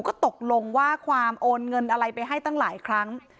ก็ตกลงว่าความโอนเงินอะไรไปให้ตั้งหลายครั้ง